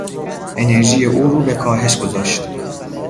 انرژی او رو به کاهش گذاشت.